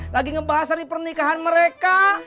lagi ngebahas hari pernikahan mereka